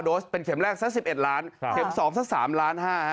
๑๕๓๘๘๙๓๙โดสเป็นเข็มแรกซะ๑๑ล้านเข็มสองซะ๓๕ล้าน